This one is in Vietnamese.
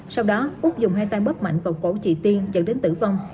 sau đó úc dùng hai tay bớp mạnh vào cổ chị tiên dẫn đến tử vong